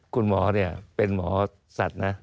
คุณหมอเนี่ยเป็นหมอสัตว์นะ